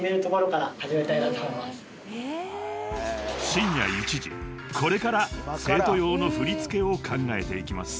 ［深夜１時これから生徒用の振り付けを考えていきます］